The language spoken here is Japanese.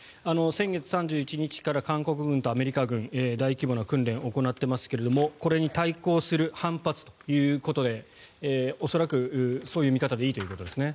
先月３１日から韓国軍とアメリカ軍大規模な訓練を行っていますがこれに対抗する反発ということで恐らくそういう見方でいいということですね。